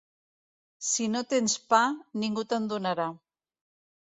Si no tens pa, ningú te'n donarà.